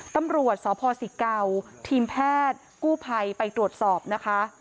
ตำรวจสพศิเกาทีมแพทย์กู้ภัยไปตรวจสอบนะคะ